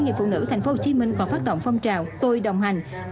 nghiệp phụ nữ tp hcm còn phát động phong trào nối với rác thải nhựa